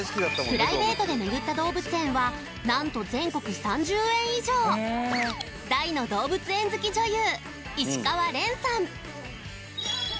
プライベートで巡った動物園は何と全国３０園以上大の動物園好き女優